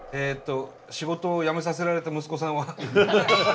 仕事を辞めさせられた息子さんは？